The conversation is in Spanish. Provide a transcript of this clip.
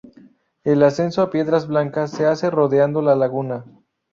El ascenso a Piedras Blancas se hace rodeando la laguna.